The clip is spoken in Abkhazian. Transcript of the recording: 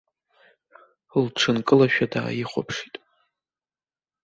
Лҽынкылашәа дааихәаԥшит.